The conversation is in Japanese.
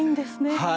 はい。